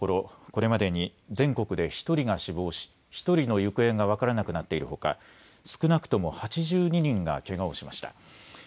これまでに全国で１人が死亡し、１人の行方が分からなくなっているほか、少なくとも８２人がけがをしました。